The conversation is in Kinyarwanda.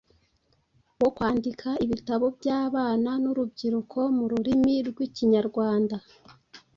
wo kwandika ibitabo by’abana n’urubyiruko mu rurimi rw’Ikinyarwanda.